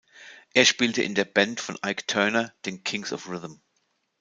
Er spielte in der Band von Ike Turner, den „Kings Of Rhythm“.